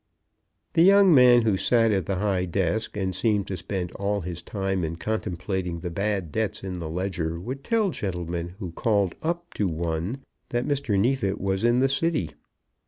The young man who sat at the high desk, and seemed to spend all his time in contemplating the bad debts in the ledger, would tell gentlemen who called up to one that Mr. Neefit was in the City.